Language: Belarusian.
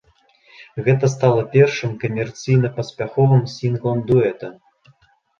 Гэта стала першым камерцыйна паспяховым сінглам дуэта.